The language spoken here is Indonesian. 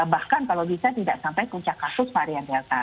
bahkan kalau bisa tidak sampai puncak kasus varian delta